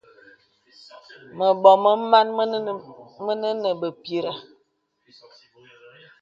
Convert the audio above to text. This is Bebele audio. Mə̀bɔ̀ mə màn mə nə́ nə̀ bèpìghə̀.